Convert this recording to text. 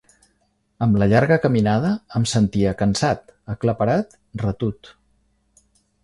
Amb la llarga caminada em sentia cansat, aclaparat, retut.